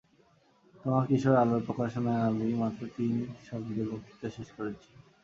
তোমাদের কিশোর আলোর প্রকাশনায় আমি মাত্র তিন শব্দে বক্তৃতা শেষ করেছি।